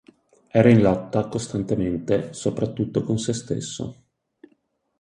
Era in lotta costantemente soprattutto con sé stesso.